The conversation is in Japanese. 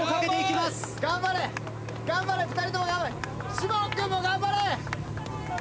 士門君も頑張れ。